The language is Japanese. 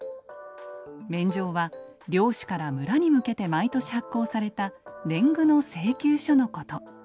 免定は領主から村に向けて毎年発行された年貢の請求書のこと。